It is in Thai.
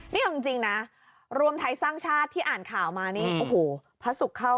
นี่เอาจริงนะรวมไทยสร้างชาติที่อ่านข่าวมานี่โอ้โหพระศุกร์เข้า